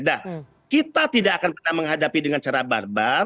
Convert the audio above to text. nah kita tidak akan pernah menghadapi dengan cara barbar